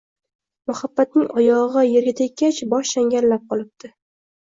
Muhabbatning oyog`i erga tekkach, bosh changallab qolibdi